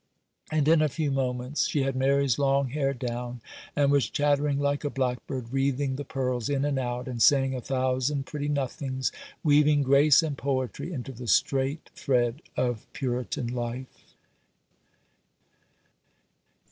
And in a few moments she had Mary's long hair down, and was chattering like a blackbird, wreathing the pearls in and out, and saying a thousand pretty nothings, weaving grace and poetry into the strait thread of Puritan life.